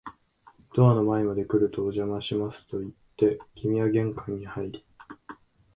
ドアの前まで来ると、お邪魔しますと言って、君は玄関に入り、